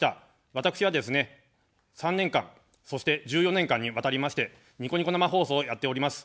私はですね、３年間、そして１４年間にわたりましてニコニコ生放送をやっております。